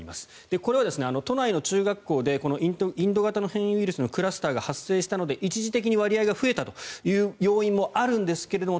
これは都内の中学校でインド型の変異ウイルスのクラスターが発生したので一時的に割合が増えたという要因もあるんですけれども